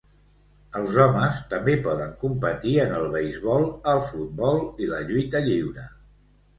Els homes també poden competir en el beisbol, el futbol i la lluita lliure.